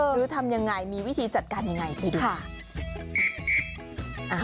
หรือทำยังไงมีวิธีจัดการยังไงไปดูค่ะ